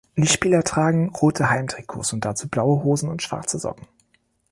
Die Spieler tragen rote Heimtrikots und dazu blaue Hosen und schwarze Socken.